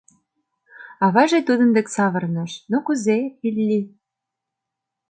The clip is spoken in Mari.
Аваже тудын дек савырныш: «Ну, кузе, Илли?